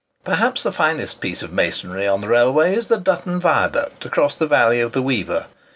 Perhaps the finest piece of masonry on the railway is the Dutton Viaduct across the valley of the Weaver.